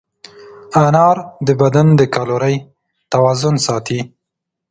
انار د بدن د کالورۍ توازن ساتي.